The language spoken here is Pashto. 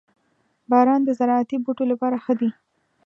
• باران د زراعتي بوټو لپاره ښه دی.